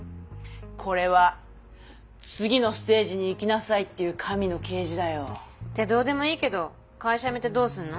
これは次のステージに行きなさいっていう神の啓示だよ。ってどうでもいいけど会社辞めてどうすんの？